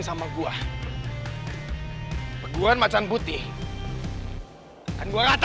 dia akan mampus kita